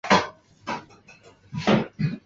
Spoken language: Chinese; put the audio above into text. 奥卢是葡萄牙波尔图区的一个堂区。